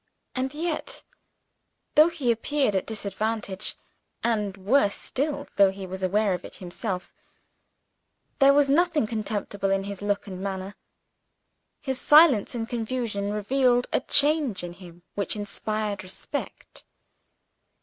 And yet, though he appeared at disadvantage and, worse still, though he was aware of it himself there was nothing contemptible in his look and manner. His silence and confusion revealed a change in him which inspired respect.